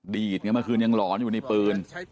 ดีดไงเมื่อคืนยังหลอนอยู่ในปืน